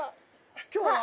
今日は？